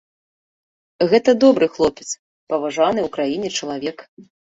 Гэта добры хлопец, паважаны ў краіне чалавек.